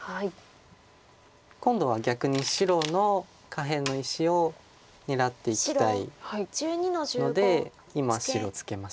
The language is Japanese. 今度は逆に白の下辺の石を狙っていきたいので今白ツケました。